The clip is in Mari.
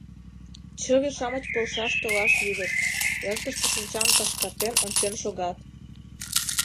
Чыве-шамыч полшаш толаш лӱдыт, ӧрдыжтӧ шинчам пашкартен ончен шогат.